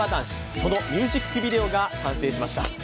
そのミュージックビデオが完成しました。